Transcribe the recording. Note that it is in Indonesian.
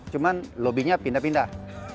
cuma lobinya pindah pindah